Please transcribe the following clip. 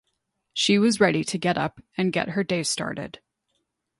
She was ready to get up and get her day started.